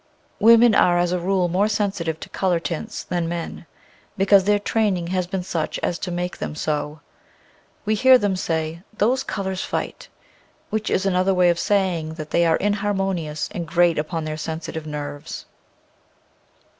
Women are as a rule more sensitive to color tints than men, because their training has been such as to make them so. We hear them say, " Those colors fight," which is another way of saying that they are inharmonious and grate upon their sensitive nerves.